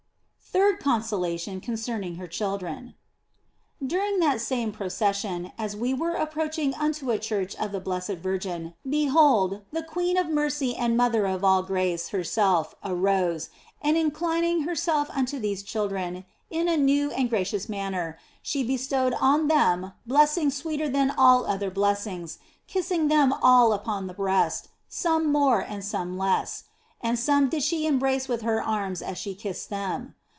THIRD CONSOLATION CONCERNING HER CHILDREN DURING that same procession, as we were approaching unto a church of the Blessed Virgin, behold, the Queen of Mercy and Mother of all Grace herself arose, and inclining herself unto these children in a new and gracious manner, she bestowed on them blessings sweeter than all other blessings, kissing them all upon the breast, some more and some less ; and some did she embrace with her arms as she kissed them.